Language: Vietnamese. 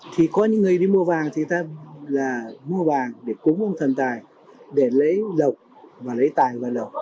thì có những người đi mua vàng thì người ta mua vàng để cúng ông thần tài để lấy lộc và lấy tài và lộc